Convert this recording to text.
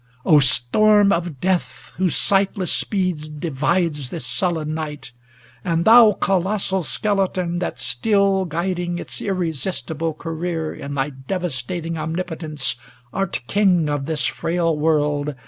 ŌĆö O storm of death. Whose sightless speed divides this sullen night ! 6ia And thou, colossal Skeleton, that, still Guiding its irresistible career In thy devastating omnipotence, Art king of this frail world